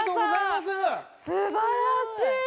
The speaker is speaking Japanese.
すばらしい。